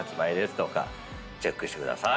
どうかチェックしてください。